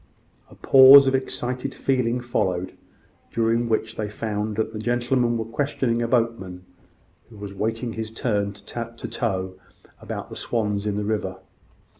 A pause of excited feeling followed, during which they found that the gentlemen were questioning a boatman, who was awaiting his turn to tow, about the swans in the river.